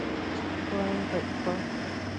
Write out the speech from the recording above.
Chuenquio iccosh